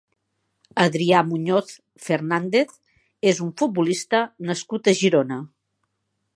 Adrià Muñoz Fernández és un futbolista nascut a Girona.